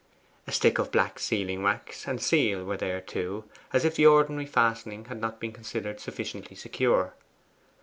A stick of black sealing wax and seal were there too, as if the ordinary fastening had not been considered sufficiently secure.